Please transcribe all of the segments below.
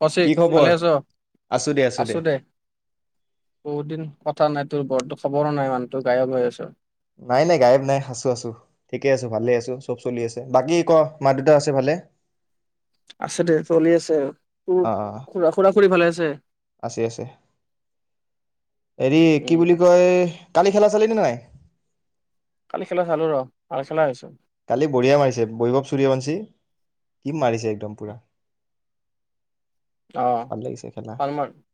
কৌশিক কি ভালে খবৰ? আছ? আছোঁ দে বহুত দিন কথা নাই তোৰ বৰতো, খবৰো নাই মানুহটো গায়ব হৈ আছ। নাই নাই গায়ব নাই, আছোঁ আছোঁ ঠিকে আছোঁ ভালে আছোঁ, চব চলি আছে বাকী ক মা-দেউতা আছে ভালে? আছে দে চলি আছে আৰু। তোৰ অ', অ', অ'। খুৰা খুৰা খুৰী ভালে আছে? আছে আছে। হেৰি কি উম বুলি কয় কালি খেলা চালিনে নাই? কালি খেলা চালো ৰহ, ভাল খেলা হৈছে। কালি বঢ়িয়া মাৰিছে, বৈভৱ সূৰ্যবংশী কি মাৰিছে একদম পুৰা। অহ ভাল লাগিছে খেলা [unintelligible]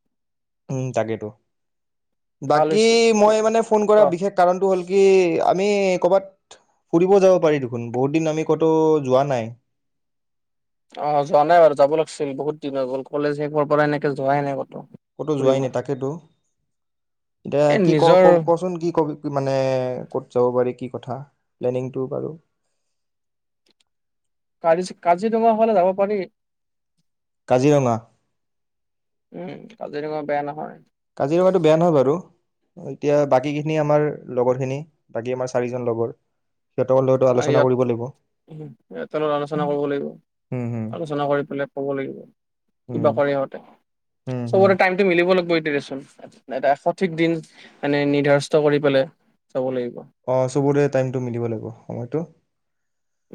উম তাকেইতো। ভাল বাকী হৈছে। মই মানে ফোন কৰা অ বিশেষ কাৰণটো হ'ল কি আমি কৰ'বাত ফুৰিব যাওঁ পাৰি দেখোন, বহুত দিন আমি ক'তো যোৱা নাই। অ', যোৱা নাই বাৰু যাব লাগিছিল, বহুত দিন হৈ গ'ল কলেজ শেষ হোৱাৰ পৰাই এনেকে যোৱাই নাই ক'তো যোৱাই ফুৰিব নাই, তাকেতো এতিয়া এ কি নিজৰ কৰ ক'চোন কি কবি মানে ক'ত যাব পাৰি, কি কথা প্লেনিং টো বাৰু [unintelligible] কাজিৰঙা ফালে যাব পাৰি। কাজিৰঙা। উম, কাজিৰঙা বেয়া নহয়। কাজিৰঙাটো বেয়া নহয় বাৰু এতিয়া বাকীখিনি আমাৰ লগৰখিনি, বাকী আমাৰ চাৰিজন লগৰ সিহঁতৰ লগতো আলোচনা কৰিব লাগিব সিহঁতৰ লগত আলোচনা কৰিব লাগিব, হুম হুম আলোচনা কৰি পেলাই ক'ব লাগিব কি বা হুম কৰে সিহঁতে, হুম হুম চবৰে টাইমতটো মিলিব লাগিব [unintelligible] এটা সঠিক দিন মানে নিৰ্ধাৰস্থ কৰি পেলে অ' চবৰে টাইমটো মিলিব লাগিব, সময়টো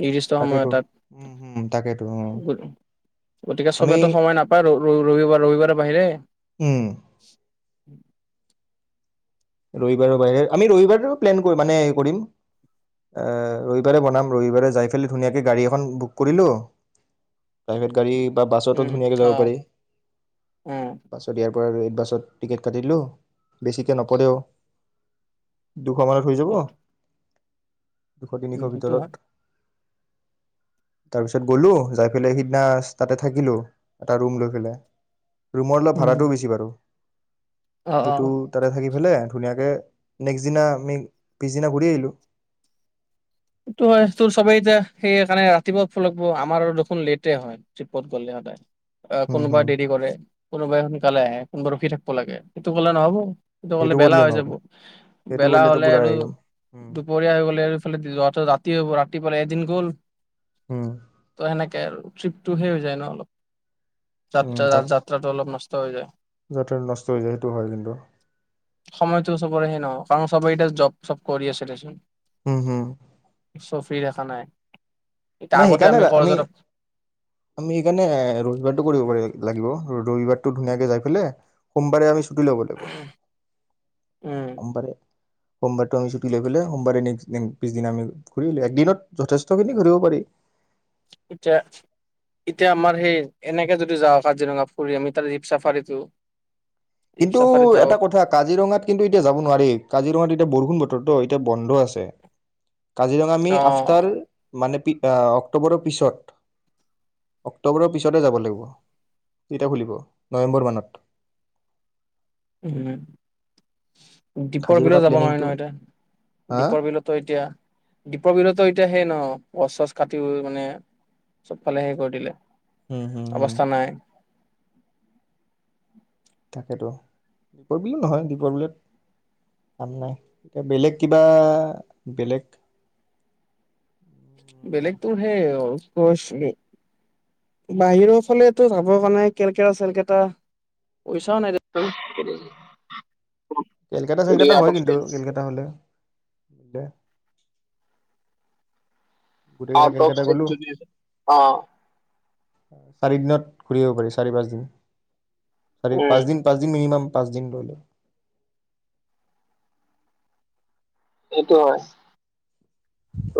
নিৰ্দিষ্ট সময় তাকেতো এটাত, উম হুম তাকেতো অ গতিকে আমি চবেই টো সময় নাপায় আৰু [unintelligible] ৰবিবাৰৰ বাহিৰে। উম। [inaudible] ৰবিবাৰৰ বাহিৰে, আমি ৰবিবাৰেও প্লেন কৰি মানে কৰিম, ৰবিবাৰে বনাম ৰবিবাৰে যাই পেলাই ধুনীয়াকৈ গাড়ী এখন বুক কৰিলোঁ প্ৰাইভেট গাড়ী বা বাছতো উম ধুনীয়াকে অ যাব পাৰি, উম বাছত ৰেড বাছত টিকেট কাটিলোঁ, বেছিকে নপৰেও দুশ মানত হৈ যাব দুশ, তিনিশ সেইটো হয় ভিতৰত। তাৰপিছত গলোঁ, যায় পেলাই সিদিনা তাতে থাকিলোঁ এটা ৰুম লৈ পেলাই। ৰুমৰ অলপ উম ভাড়াটোও বেছি বাৰু। অ অ এইটো তাতে থাকি পেলাই ধুনীয়াকে নেক্সট দিনা আমি পিছদিনা ঘূৰি আহিলোঁ। সেইটো হয়, তোৰ চবেই এতিয়া সেইকাৰণে ৰাতিপুৱা উঠিব লাগিব, আমাৰ আৰু দেখোন লেটে হয়, ট্ৰিপত গ'লে সদায়। অ, হম কোনোবা হম দেৰি কৰে কোনোবাই সোনকালে আহে কোনোবা ৰখি থাকিব লাগে সেইটো ক'লে নহ'ব সেইটো কলে বেলা কৰিলে হৈ নহ'ব যাব সেইটো বেলা কৰিলেতো হলে পুৰা আৰু একদম উম দুপৰীয়া হৈ গ'লে আৰু এইফালে হ'ব ৰাতিপুৱালা এদিন গ'ল উম। ত সেনেকে আৰু ট্ৰিপটো সেই হৈ যায় ন অলপ উম যাত্ৰা তাক যাত্ৰাটো অলপ নষ্ট হৈ যায় যাতে নষ্ট হৈ যায় সেইটো হয় কিন্তু সময়টো, চবৰে সে নহওক অ' চবে এতিয়া জব চব কৰি আছে দেচোন উম, হম। চফী এখানাই নাই সেইকাৰণে আমি আমি সেইকাৰণে ৰবিবাৰতটো কৰিব পাৰিল লাগিব ৰবিবাৰতো ধুনীয়াকে যাই পেলে সোমবাৰে আমি ছুটি লব লাগিব উম সোমবাৰটো আমি ছুটি লৈ পেলায় সোমবাৰে ন্স পিছনা আমি ঘূৰিো একদিনত যথেষ্টখিনি ঘূৰিব পাৰি [unintelligible] এতিয়া, এতিয়া আমাৰ সেই এনেকে যদি যাওঁ কাজিৰঙা ফুৰি আমি তাৰ জীপ চাফাৰী কিন্তু এটা কথা কাজিৰঙাত কিন্তু এতিয়া যাব নোৱাৰি কাজিৰঙাত এতিয়া বৰষুণ ব ো এতিয়া বন্ধ আছে। কাজিৰঙা মি অ আফতাৰ মানে অক্টোবৰৰ পিছত অক্টোবৰৰ পিছতে যাব লাগিব কেইটা খুলিব নৱেম্বৰ মানত। উম। দ্বীপৰ বিলত কাজিৰঙা যাব নোৱি প্লেনিংটো ন এতিয়া হা দ্বীপৰ বিলতো এতিয়া দ্বীপৰ বিলতো এতিয়া সেই ন গছ চছ কাটি মানে চবফালে হেৰি কৰি দিলে। হম হম হম অৱস্থা নাই। তাকেতো দীপৰ বিলো নহয় দীপৰ বিত কাম নাই এতিয়া বেলেগ কিবা বেলেগ বেলেগ তো সেই কছ বাহিৰৰ ফালেই যাবৰ কাৰণে কেলকেতা চেলকেটা পইচাও নাই কেলকাতা যদি চেলকাতা আউট হয় অফ কিন্তু ষ্টেট কেলকাতা হলে মলে আউট অফ গ'লো চেৰি অ চাৰি দিনত ঘূৰি আহিব পাৰি, চাৰি পাঁচ দিন চাৰি উম পাঁচ দিন, পাঁচ দিন মিনিমাম পাঁচ দিন লৈ ল সেইটো হয়। ত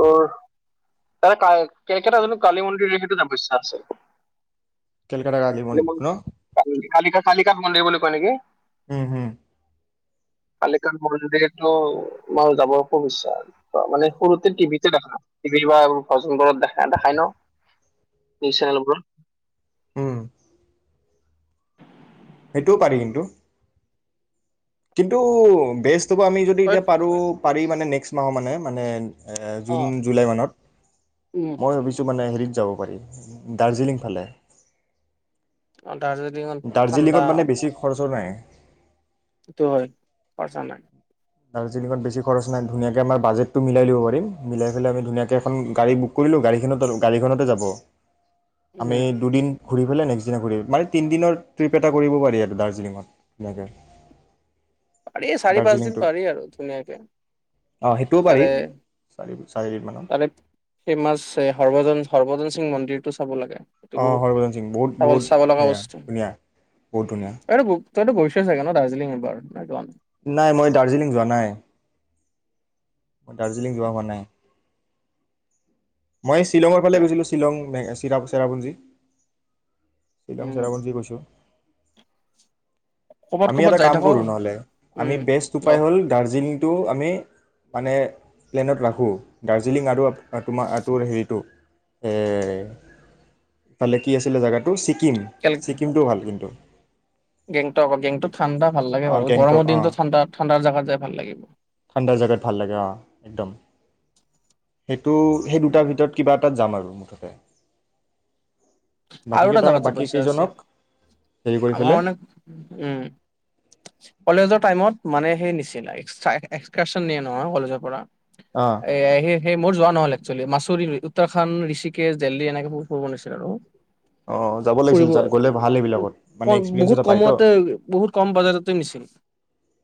ত কেলকেতা জনো কালী মন্দিৰ সেইটোও জাব ইচ্ছা আছে। কেলকেতা কালি মন্দিৰ ন? কালি কালিকা কালিকাত মন্দিৰ বুলি কয় নেকি? উম, হম। পালেকান মোৰ যিহেতু মাৰ যাব একো বিশ্বাস মানে সৰুতে টিভিতে। ৰিবা আৰু ভজনবোৰত দেখা, দেখাই ন। নিজ চেনেলোৰত। উম। সেইটোও পাৰি কিন্তু। কিন্তু বেছ আমি যদি তই এতিয়া পাৰো, পাৰি মানে নেক্সট মাহৰ মানে, মানে এ অ জুন, জুলাই মানত। উম মই ভাবিছো মানে হেৰিত যাব পাৰি, দাৰ্জিলিং ফালে। অ। দাৰ্জিলিঙত মানে বেছি খৰচও নাই। সেইটো হয়। খচৰা নাই। দাৰ্জিলিঙত বেছি খৰচ নাই ধুনীয়াকৈ আমাৰ বাজেটটো মিলাই'িব পাৰিম মিলাই পেলাই আমি ধুনীয়াক এখন গাড়ী বুক কৰিলোঁ গাড়ীখন গাড়ীখনতে যাব। আমি উম দুদিন ঘূৰি পেলাই নেক্সট দিনা ঘূৰি মানে তিনিদিনৰ ট্ৰিপ এটা কৰিব পাৰি আৰু দাৰ্জিলিঙত এনেকৈ। পাৰি চাৰি, পাঁচ দিন পাৰি আৰু। পুনেকে অঁ সেইটোও পাৰি তাৰে, চাৰি চাৰিদিনমানত তাৰে ফেমাছ সৰ্বজন সৰভজন সিং মন্দিৰ ডেটটো চাব লাগে। সেইটো অ' বহুত হৰভদন সিং বহুত, চাব বহুত চাব লগা সেয়া বস্তু ধুনীয়া বহুত ধুনীয়া। তইতো তইতো গৈছ চাগে ন দাৰ্জিলিংএবাৰ? নাই মই দাৰ্জিলিং যোৱা নাই। মই দাৰ্জিলিং যোৱা হোৱা নাই। মই শ্বঙ ফে গৈছিলো শ্বিলংে। চিৰা চেৰাপুঞ্জী। শ্বিলং উম চেৰাবঞ্জী কৈছোঁ। ক'বাত আমি ক'বাত এটা যাই কাম থাক কৰো নহলে আমি উম বেষ্ট উপায় অ হ'ল দাৰ্জিলিং টো আমি মানে প্লানট্ ৰাখোঁ দাৰ্জিলিং আৰ টোৰ হেৰিটো এ টালে কি আছে জেগাটো চি ছিকিকিম, ছিকিমটোও ভাল কিন্তু। গং। গেংটক ঠাণ্ড ভালাগে অঁ বাৰো গৰম গেংটক দিন অঁ ঠাণ্ডা ঠাণ্ডা জাগাত যাই ভাল লাগিব ঠাণ্ডা জোগাত ভাল লাগে অ একদম সেইটো সেই দুটাৰ ভিতৰত কিবা এটাত যাম আৰু মুঠতে। আৰুটা বাকীকেইটা জাকাতে বাকী পইচা আছে কেইজনক হেৰি কৰি আমাৰ পেলাই অ' উম কলেজৰ টাইমত মানে সেই নিচিনা এক্সকাৰচন নিয়ে নহয় কলেজৰ পৰা। অঁ এ সি সেই মোৰ যোৱা নহলে। মাছলি-মাছুৰি, উত্তৰাখণ্ড, ঋষিকেশ, দেল্লী এনেকে বহুত ফুৰব' নিছে আৰু। অঁ যাব লাগিছিল ফুৰিব গ'লে ভাল উ সেইবিলাকত মানে ক এক্সপিৰিয়েঞ্চ বহুত এটা পায়তো কমতে-বহুত কম বাজেটতে নিছিল,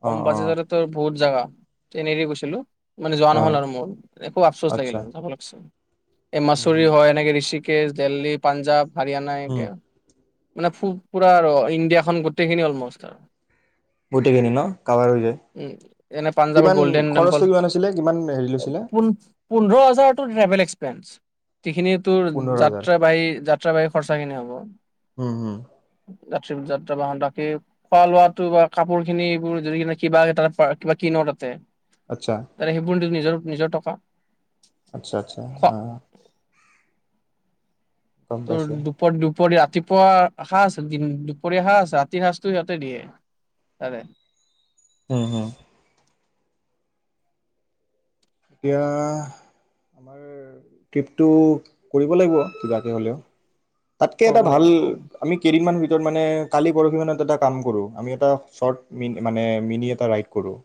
কম অঁ অঁ বাজেটতে বহুত জেগা। ট্ৰেইনদি গৈছিলো। মানে যোৱা নহল অঁ আৰু মোৰ একো আপচোচ লাগিল আচ্ছা আৰু যাবচোন এই মাছুৰি হয় এনেকে ঋষিক কেশ, দেল্লী, পাঞ্জাৱ। হাৰিয়ানা এক মানে ফু পুৰা আৰু ইণ্ডিয়াখন গোটেইখিনি অলমষ্ট আৰু। গোটেইখিনি ন কাভাৰ হৈ যায় উ এনে পাঞ্জাৱৰ কিমান গল্ডেন টেম্পল খৰচটো কিমান আছিলে কিমান হেৰি লৈছিলে পোন-পোন্ধৰ হাজাৰটো ট্ৰেভেল এক্স ফেঞ্চ। যিখিনি তোৰ পোন্ধৰ হাজাৰ যাত্ৰা বাহী যাত খৰচাখিনি হ'ব। উ উ। যাত্ৰী-যাত্ৰা বাহন তাকে খোৱা লোৱাটো বা কাপোৰ খিনি এইবোৰ যদি কিবা-কিবা এটা পা কিবা কিন' তাতে আচ্ছা তাতে সেইবোৰ তোৰ নিজৰ নিজৰ টকা আচ্ছা আচ্ছা খোৱা অ'। তোৰ দুপ দুপৰিয়া তিপুৱা সাঁজ দিন- দুপৰীয়া সাঁজ ৰাতি সাঁজটো সিহঁতে দিয়ে। তাৰে উ হু। এতিয়া আমাৰ ট্ৰিপটো কৰিব লাগিব কিবাকৈ হ'লেও। তাতকে এটা কৰিব ভাল লাগিব অ আমি কেইদিমান টোত মানে কালি, পৰহি মানত এটা কাম কৰোঁ, আমি এটা চৰ্ত মিন-মানে মিনি এটা ৰাইড কৰোঁ।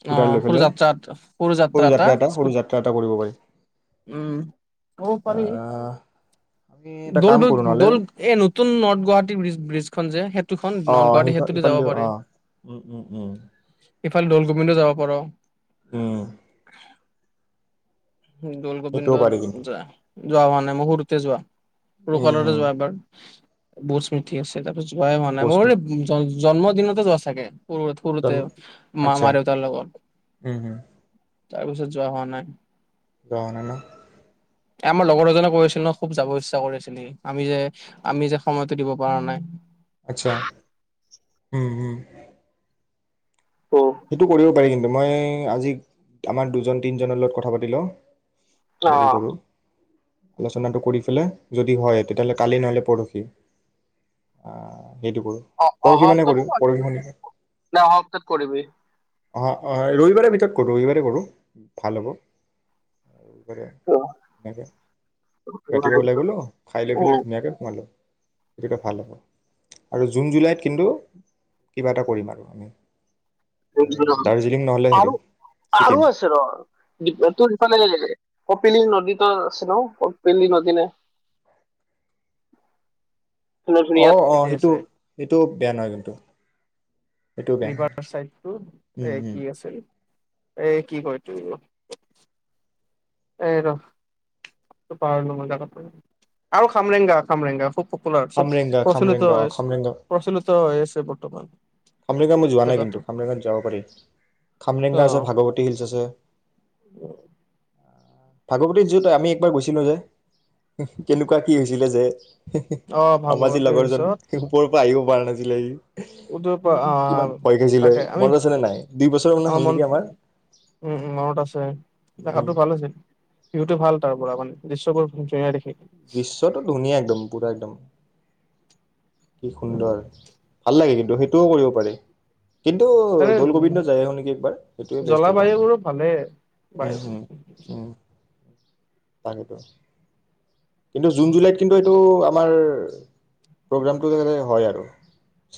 স্কুটাৰ অ', লৈ সৰু পেলাই যাত্ৰাত, সৰু যাত্ৰা এটা সৰু স্কু যাত্ৰা এটা কৰিব পাৰি উম, ক'ব পাৰি। আহ আমি এটা কাম কৰোঁ নহ'লে দল-দল-দল এ নতুন নৰ্থ গুৱাহাটী বিজ-বিজ খন যে, হেত টোখন অ নৰ্থ গুৱাহাটী সেইখন ক্ষেত্ৰতহে যাব ইফালেদিও পাৰে। অ উম উম উম এফাল দল তুমিটো যাব পাৰ। উম। দল সেইটোও গোবিন্দত পাৰি কিন্তু যোৱা। যোৱা হোৱা নাই ম সৰুতে যোৱা। উম সৰুকালতে উম যোৱা এবাৰ। বু স্মৃথি আছে তাত। োৱাই হোৱা নাই বছ মোৰ জন্মদিনতে যোৱা চাগে সৰু সৰুতে আচ্ছা মামা দেওতাৰ লগত উম উম তাৰপিছত যোৱা হোৱা নাই। যোৱা হোৱা নাই ন? আমাৰ লগৰ এজনে কৈ আছিল ন খুব যাব ইচ্ছা কৰি আছিলি আমি যে আমি যে সময়তো দিব পৰা নাই। আচ্ছা, উম, উম। উম সেইটো কৰিব পাৰি কিন্তু মই আজি আমাৰ দুজন তিনজনৰ লগত কথা পাতি লওঁ। অ হেৰি কৰোঁ। আলোচনাটো কৰি পেলাই যদি হয় তেতিয়াহলে কালি নহলে পৰহি, আহ অ' অহা হপ্তাহ শনিবাৰ নে অহা হপ্তাহত কৰিবি? অ, অ ৰবিবাৰে ভিতৰত কৰো ৰবিবাৰে কৰোঁ ভাল হ'ব। সনে অহা সপ্তাহত ৰাতিপুৱা কৰিবি ওলাই গ'লো খাই লৈ পেলাই ধুনীয়াকে সোমালোঁ। সেইটোটা ভাল হ'ব আৰু জুন জুলাইত কিন্তু কিবা এটা কৰিম আৰু আমি দাৰ্জিলিং নহ'লে সেইটো আৰু ছিকিম আৰু আছে ৰ তোৰ সেইফালে কপিলি নদীত আছে ন কপিলি নদী নে অ, ধুনীয়া অ যে সেইটো আছে সেইটো বেয়া নহয় কিন্তু সেইটো বেয়া ৰিভাৰ চাইডটো এ নহয় কি আছিল? এই কি কই এটো এই ৰ পাহৰীলো মই জেগাটো‌ আৰু খামৰেংগা খামৰেংগা খুব পপোলাৰ চব খামৰেংগা খামৰেংগা প্ৰচলিত অ হয় আছে, খামৰেংগা প্ৰচলিত হয় আছে। বৰ্তমান খামৰেংগা মই যোৱা নাই জেগাটো কিন্তু, খামৰেংগাত যাব পাৰি। খামৰেংগা আছে, ভাগৱতী হিলছ আছে। উ [unintelligible] ভাগৱতীত যত আমি একবাৰ গৈছিলো যে, কেনেকুৱা কি হৈছিলে যে অ আমাৰ যে ভাগৱতী লগৰজন হিলছত ওপৰৰ পৰা আহিব পৰা নাছিলে উদয়প আহ কিমান ভয় খাইছিলে তাকে আমি মনত আছে নে নাই? দুই বছৰ মান অ হ'ল মন নেকি আমাৰ উম জাগাটো ভাল আছিল, বিহুতটো ভাল। তাৰ পৰা মানে দৃশ্যবোৰুনীয়া দেখি। দৃশ্যটো ধুনীয়া একদম পুৰা একদম কি উম, সুন্দৰ ভাল লাগে কিন্তু সেইটোও কৰিব পাৰি। কিন্তু তাৰে দৌলগোবিন্দ যায়‌ আহো‌ নেকি একবাৰ সেইটোৱে বেষ্ট হ'ব জলবায়ু আমি, বোৰো ভালে উম, বাৰু উম, উম। তাকেইো কিন্তু জুন জুলাইত কিন্তু এইটো আমাৰ প্ৰগ্ৰামটো যাতে হয় আৰু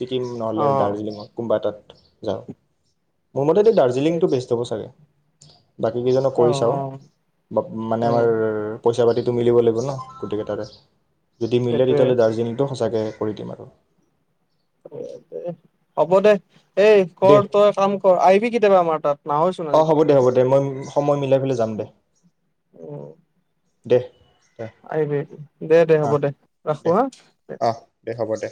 ছিকিম অ নহ'লে দাৰ্জিলিঙত কোনোবা এতাত যাওঁ মোৰ মতেতো সেই দাৰ্জিলিংটো বেষ্ট হব চাগে। বাকী কেইজনক অ কৰি চাও অ বা মানে উম আমাৰ পইচা-পাতি ত' মিলিব লাগিব ন গোটেইকেইটাৰে যদি মিলে সেইটোৱে তেতিয়াহলে দাৰ্জিলিংটো সচ তাকে কৰি দিম আৰু হ'ব দে এই দে কৰ তই কাম কৰ আহিবি কেতিয়াবা আমাৰ তাত নাহয়চোন অঁ হ'ব আজিকালি দে হ'ব দে মই সময় মিলা যাম দে উম, দেহ্ আহিবি দে দে হ'ব দে ৰাখো দে হা দে অঁ দে হ'ব দে